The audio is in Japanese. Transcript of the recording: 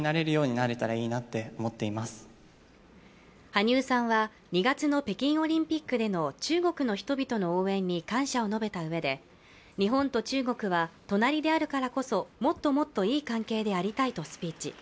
羽生さんは２月の北京オリンピックでの中国の人々の応援に感謝を述べたうえで日本と中国は隣であるからこそもっともっといい関係でありたいとスピーチ。